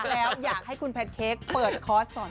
แล้วอยากให้คุณแพ็ดเค้กเปิดคอร์สส่วนหนึ่ง